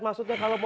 maksudnya kalau mau